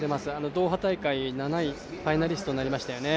ドーハ大会７位、ファイナリストになりましたよね。